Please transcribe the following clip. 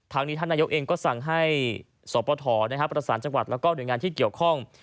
นี้ท่านนายกเองก็สั่งให้สปฐประสานจังหวัดแล้วก็หน่วยงานที่เกี่ยวข้อง